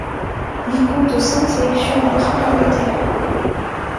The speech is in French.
Il compte cinq sélections en équipe d'Angleterre.